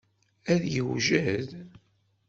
Ad yewjed.